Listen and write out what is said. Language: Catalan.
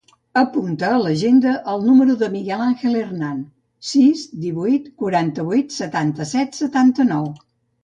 Apunta a l'agenda el número del Miguel àngel Hernan: sis, divuit, quaranta-vuit, setanta-set, setanta-nou.